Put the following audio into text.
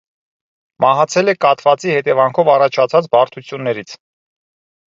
Մահացել է կաթվածի հետևանքով առաջացած բարդություններից։